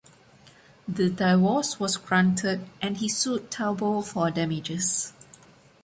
The divorce was granted, and he sued Talbot for damages.